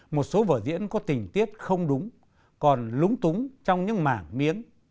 một số vở diễn có tình tiết không đúng còn lúng túng trong những mảng miếng